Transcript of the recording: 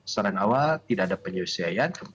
soal awal tidak ada penyelesaian